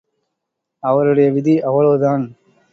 அவருடைய விதி அவ்வளவுதான்!